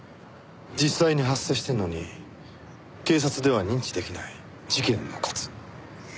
実際に発生しているのに警察では認知出来ない事件の数。